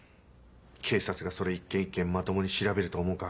警察がそれ一件一件まともに調べると思うか？